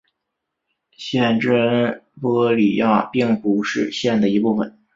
县治恩波里亚并不是县的一部分。